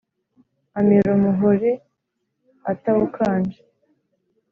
Amira umuhore atawukanje: